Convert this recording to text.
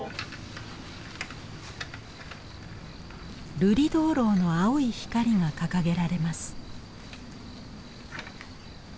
瑠璃燈籠の青い光が掲げられます。